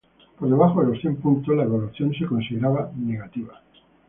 Por debajo de los cien puntos, la evaluación era considerada negativa.